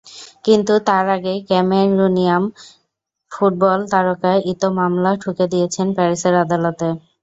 কিন্তু তার আগেই ক্যামেরুনিয়ান ফুটবল তারকা ইতো মামলা ঠুকে দিয়েছেন প্যারিসের আদালতে।